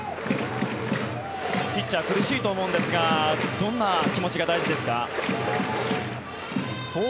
ピッチャー苦しいと思うんですがどんな気持ちが大事ですか？